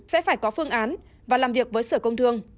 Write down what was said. sẽ phải có phương án và làm việc với sở công thương